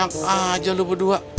enak aja lo berdua